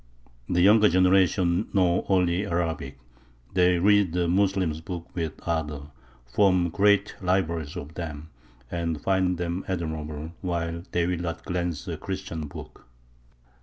The younger generations know only Arabic; they read the Moslems' books with ardour, form great libraries of them, and find them admirable; while they will not glance at a Christian book.